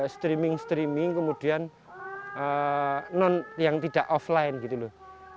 streaming streaming kemudian yang tidak offline gitu loh